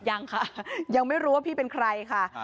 ยังค่ะยังไม่รู้ว่าพี่เป็นใครค่ะ